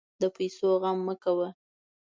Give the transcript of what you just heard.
د پیسو غم مه کوه.